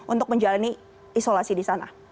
untuk menjalani isolasi di sana